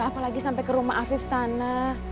apalagi sampai ke rumah afif sana